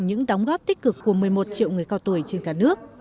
những đóng góp tích cực của một mươi một triệu người cao tuổi trên cả nước